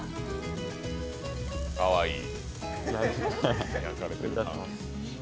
かわいい。